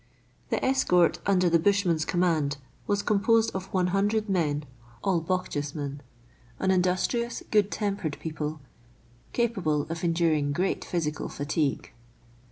The escort under the bushman's command was composed of 100 men, all Bochjesmen — an industrious, good tempered people, capable of enduring great physical fatigue.